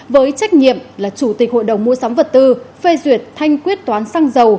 với trách nhiệm là chủ tịch hội đồng mua sắm vật tư phê duyệt thanh quyết toán xăng dầu